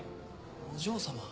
お嬢様。